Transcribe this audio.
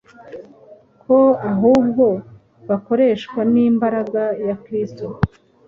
ko ahubwo bakoreshwa n’imbaraga ya Kristo.